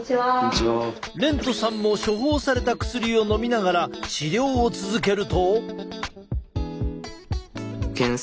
廉都さんも処方された薬をのみながら治療を続けると。